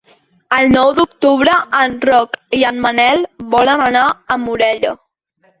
El nou d'octubre en Roc i en Manel volen anar a Morella.